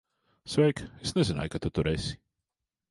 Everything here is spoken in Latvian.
Sveika. Es nezināju, ka tu tur esi.